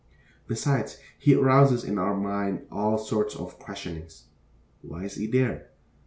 Besides, he arouses in our mind all sorts of questionings. Why is he there?